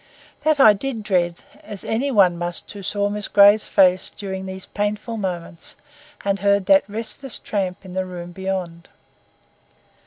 That I did dread, as any one must who saw Miss Grey's face during these painful moments and heard that restless tramp in the room beyond.